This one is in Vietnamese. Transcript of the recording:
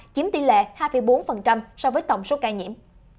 chiếm tỷ lệ hai bốn so với tổng số ca nhiễm